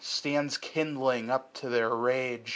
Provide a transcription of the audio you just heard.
Stands kindling up their rage.